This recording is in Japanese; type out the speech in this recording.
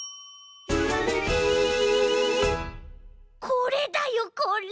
これだよこれ！